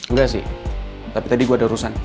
enggak sih tapi tadi gue ada urusan